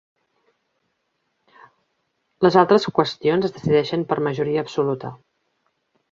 Les altres qüestions es decideixen per majoria absoluta.